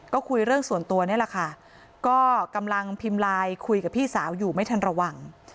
ก็คุยเรื่องส่วนตัวนี่แหละค่ะก็กำลังพิมพ์ไลน์คุยกับพี่สาวอยู่ไม่ทันระวัง